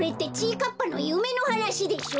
かっぱのゆめのはなしでしょ！？